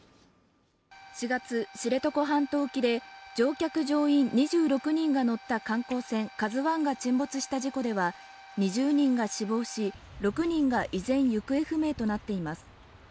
４月、知床半島沖で乗客・乗員２６人が乗った観光船「ＫＡＺＵⅠ」が沈没した事故では、２０人が死亡し、６人が依然行方不明となっています。